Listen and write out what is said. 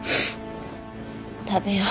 食べよう。